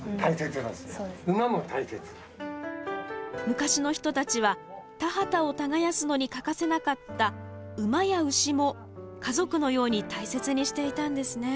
昔の人たちは田畑を耕すのに欠かせなかった馬や牛も家族のように大切にしていたんですね。